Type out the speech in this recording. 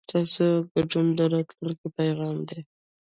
ستاسو ګډون د راتلونکي پیغام دی.